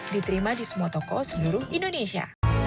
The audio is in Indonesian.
diterima di semua toko seluruh indonesia